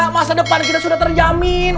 masa depan kita sudah terjamin